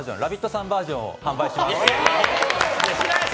さんバージョンを販売します。